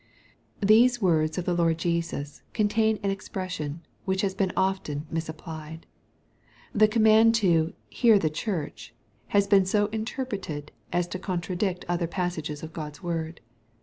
Thesb words of the Lord Jesns contain an expression which has been often misapplied. The command to '' hear the church/' has been so interpreted as to contra* diet other passages of Gtod's word.